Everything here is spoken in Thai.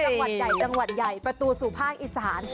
จังหวัดใหญ่จังหวัดใหญ่ประตูสู่ภาคอีสาน